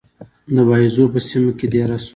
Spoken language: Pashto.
د باییزو په سیمه کې دېره شو.